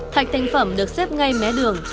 thạch thành phẩm được xếp ngay mé đường